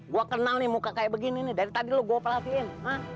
gue kenal muka kayak begini dari tadi gue perhatiin